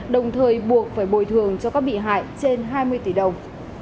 đồng thời buộc phải bồi thường cho các bị hại trên hai mươi tỷ đồng